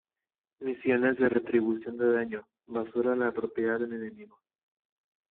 Misiones de Retribución de Daño: Basura en la propiedad de un enemigo.